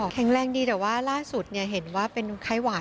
แข็งแรงดีแต่ว่าล่าสุดเห็นว่าเป็นไข้หวัด